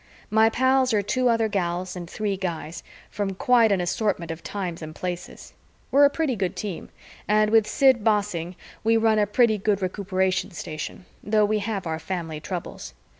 My pals are two other gals and three guys from quite an assortment of times and places. We're a pretty good team, and with Sid bossing, we run a pretty good Recuperation Station, though we have our family troubles.